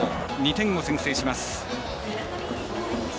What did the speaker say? ２点を先制します。